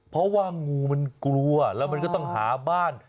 เพราะว่างูมันกลัวแล้วมันก็ต้องหาบ้าน